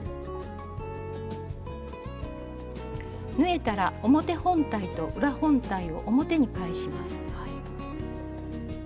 縫えたら表本体と裏本体を表に返します。